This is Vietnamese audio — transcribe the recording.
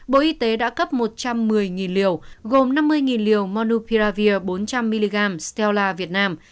bộ y tế đã cấp một trăm một mươi liều gồm năm mươi liều manupia bốn trăm linh mg steella việt nam